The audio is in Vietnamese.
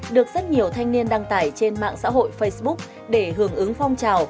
được rất nhiều thanh niên đăng tải trên mạng xã hội facebook để hưởng ứng phong trào